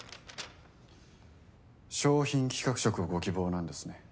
商品企画職をご希望なんですね。